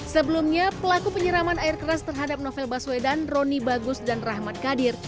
sebelumnya pelaku penyiraman air keras terhadap novel baswedan roni bagus dan rahmat kadir